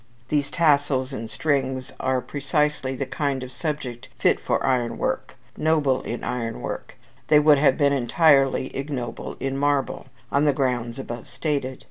These tassels and strings are precisely the kind of subject fit for ironwork noble in ironwork, they would have been entirely ignoble in marble, on the grounds above stated.